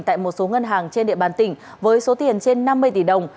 tại một số ngân hàng trên địa bàn tỉnh với số tiền trên năm mươi tỷ đồng